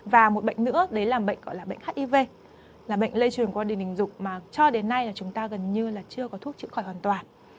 và một bệnh nữa đấy là bệnh gọi là bệnh hiv là bệnh lây truyền qua điện hình dục mà cho đến nay là chúng ta gần như là chưa có thuốc chữa khỏi hoàn toàn